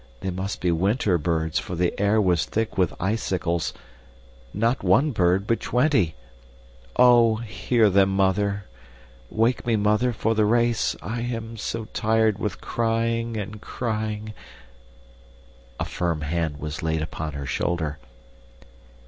They must be winter birds, for the air was thick with icicles not one bird but twenty. Oh! hear them, Mother. Wake me, Mother, for the race. I am so tired with crying, and crying A firm hand was laid upon her shoulder.